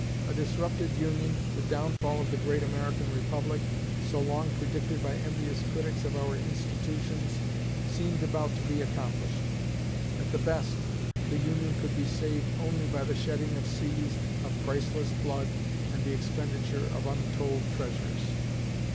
A disrupted Union, the downfall of the great American Republic, so long predicted by envious critics of our institutions, seemed about to be accomplished. At the best, the Union could be saved only by the shedding of seas of priceless blood and the expenditure of untold treasures.